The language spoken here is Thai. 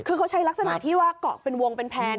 คือเขาใช้ลักษณะที่ว่าเกาะเป็นวงเป็นแพร่